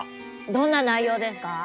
どんな内容ですか？